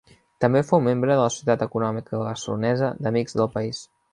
També fou membre de la Societat Econòmica Barcelonesa d'Amics del País.